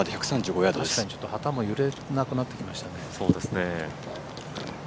旗も揺れなくなってきましたね。